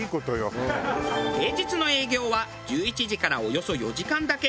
平日の営業は１１時からおよそ４時間だけ。